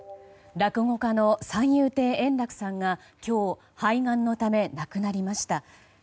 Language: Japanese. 落語家の三遊亭円楽さんが今日肺がんのため亡くなりました。